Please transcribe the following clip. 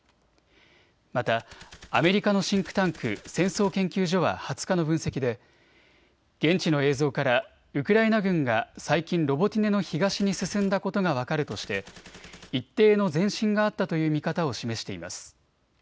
またアメリカのシンクタンク、戦争研究所は２０日の分析で現地の映像からウクライナ軍が最近、ロボティネの東に進んだことが分かるとして一定の前進があったという見方を示しています。